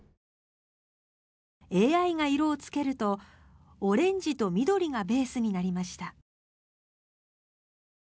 ＡＩが色をつけるとオレンジと緑がベースになりました。